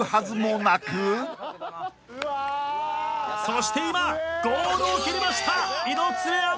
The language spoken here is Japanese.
そして今ゴールを切りました猪爪杏奈。